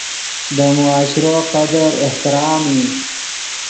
دے معاشرو قدر، احترام ای